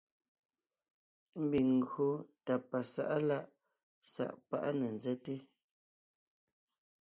Ḿbiŋ ńgÿo tà pasá’a lá’ sá’ pá’ á ne ńzέte,